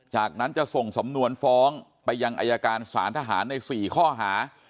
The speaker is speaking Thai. จากนั้นจะส่งสำนวนฟ้องไปยังอายการสารทหารใน๔ข้อหา